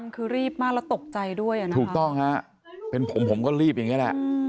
คือรีบมากแล้วตกใจด้วยถูกต้องฮะเป็นผมผมก็รีบอย่างนี้แหละ